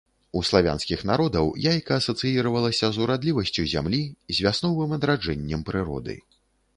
У славянскіх народаў яйка асацыіравалася з урадлівасцю зямлі, з вясновым адраджэннем прыроды.